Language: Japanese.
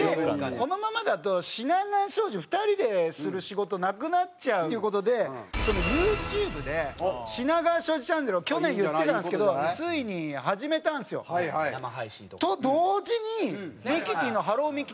このままだと品川庄司２人でする仕事なくなっちゃうっていう事でＹｏｕＴｕｂｅで品川庄司チャンネルを去年言ってたんですけどついに始めたんですよ。と同時にミキティの「ハロー！ミキティ」